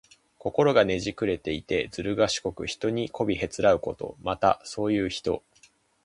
心がねじくれていて、ずるがしこく、人にこびへつらうこと。また、そういう人。